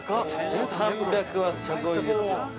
◆１３００はすごいですよ。